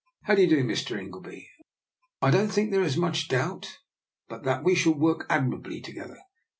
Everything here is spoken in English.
How do you do, Mr. Ingleby? I don't think there is much doubt but that we shall work ad mirably together.